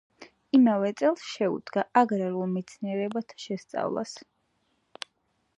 იმავე წელს შეუდგა აგრარულ მეცნიერებათა შესწავლას.